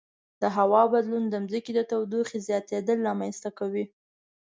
د هوا بدلون د ځمکې د تودوخې زیاتیدل رامنځته کوي.